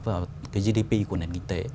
vào cái gdp của nền kinh tế